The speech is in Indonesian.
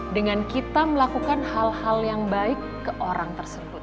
dengan kita melakukan hal hal yang baik ke orang tersebut